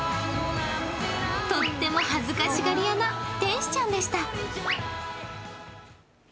とっても恥ずかしがり屋な天使ちゃんでした。